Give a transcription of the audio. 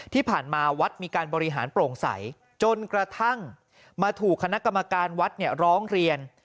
ที่ผ่านมาวัดมีการบริหารโปร่งใสจนกระทั่งมาถูกคณะกรรมการวัดร้องเรียน